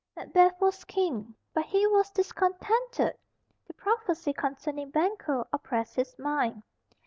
Macbeth was King. But he was discontented. The prophecy concerning Banquo oppressed his mind.